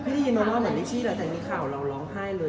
พี่ทีมองามันเหมือนลิขที่แต่มีข่าวเราร้องไห้เลย